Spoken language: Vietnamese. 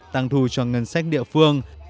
tăng thu cho ngân sách địa phương